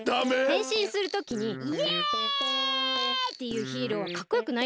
へんしんするときに「イエイ！」っていうヒーローはかっこよくないです。